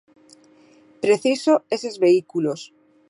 Preciso eses vehículos.